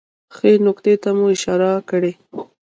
ښې نکتې ته مو اشاره کړې